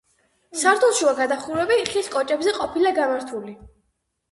სართულშუა გადახურვები ხის კოჭებზე ყოფილა გამართული.